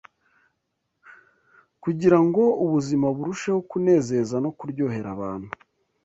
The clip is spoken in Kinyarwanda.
kugira ngo ubuzima burusheho kunezeza no kuryohera abantu.